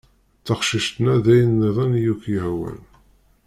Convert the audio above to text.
D taqcict neɣ d ayen-nniḍen i ak-yehwan.